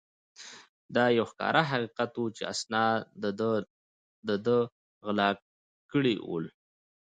دا یو ښکاره حقیقت وو چې اسناد ده غلا کړي ول.